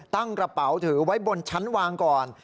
ตั้งกระเป๋าถือไว้บนชั้นวางก่อน